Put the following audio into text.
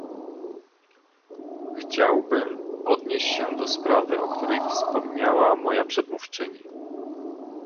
Chciałbym odnieść się do sprawy, o której wspomniała moja przedmówczyni